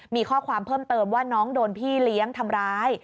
มีข้อความเพิ่มเติมว่าน้องโดนพี่เลี้ยงทำร้าย